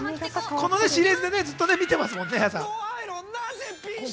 このシリーズずっと見てますもんね。